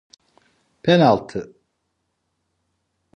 Penaltı!